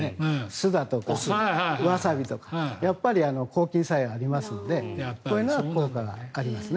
酢だとかワサビとかやっぱり抗菌作用がありますのでこういうのは効果がありますね。